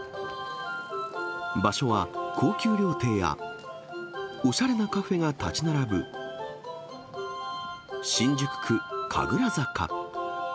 場所は高級料亭や、おしゃれなカフェが建ち並ぶ新宿区神楽坂。